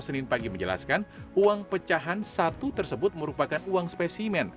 senin pagi menjelaskan uang pecahan satu tersebut merupakan uang spesimen